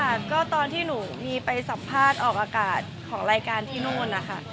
ค่ะก็ตอนที่หนูมีไปสัมภาษณ์ออกอากาศของรายการที่นู่นนะคะ